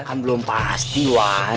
kan belum pasti wan